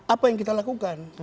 apa yang kita lakukan